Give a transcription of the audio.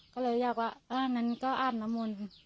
ก็เลยอยากว่านั้นก็น้ำน้ำนอน